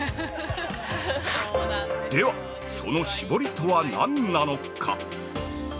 では、その絞りとはなんなのか。